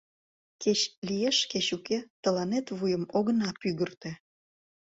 Кеч лиеш, кеч уке — тыланет вуйым огына пӱгыртӧ!..